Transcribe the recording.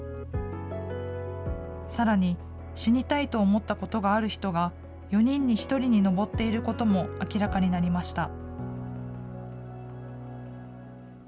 さらに、死にたいと思ったことがある人が、４人に１人に上っていることも明らかになりました。